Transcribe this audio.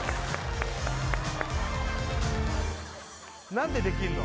何でできるの？